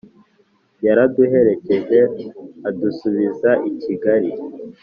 yaraduherekeje adusubiza i Kigali